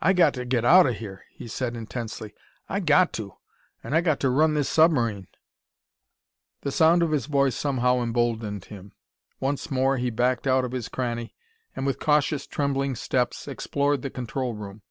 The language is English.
"I got to get out of here!" he said intensely. "I got to! And I got to run this submarine!" The sound of his voice somehow emboldened him. Once more he backed out of his cranny, and with cautious, trembling steps explored the control room.